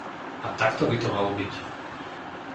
A takto by to malo byť!